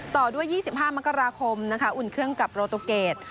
ต่อด้วย๒๕มกราคมนะคะอุ่นเครื่องกับโรตุเกต